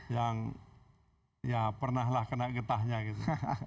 yang ya pernah lah kena getahnya gitu